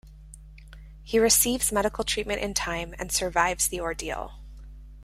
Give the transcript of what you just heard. He receives medical treatment in time and survives the ordeal.